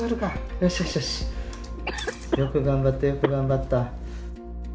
よく頑張ったよく頑張った。